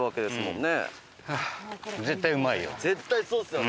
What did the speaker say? うん絶対うまいよ。